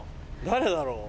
誰だろう？